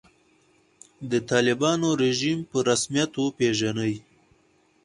د طالبانو رژیم په رسمیت وپېژني.